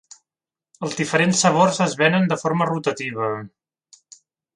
Els diferents sabors es venen de forma rotativa.